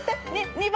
２番！